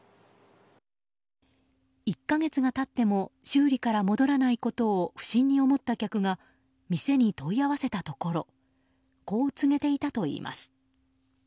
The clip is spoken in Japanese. １か月が経っても修理から戻らないことを不審に思った客が店に問い合わせたところこう告げていたといいます。